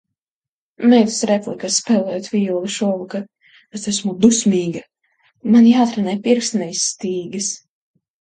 Meitas replikas, spēlējot vijoli šovakar - es esmu dusmīga!... man jātrenē pirksti, nevis stīgas!...